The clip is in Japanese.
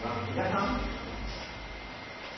井田さん。